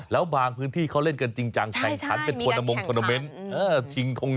แล้วบางพื้นที่เขาเล่นกันจริงจังแข่งขันเป็นพนมงค์ทอนเตอร์เมนต์